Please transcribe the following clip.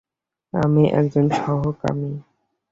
আমি একজন সমকামী।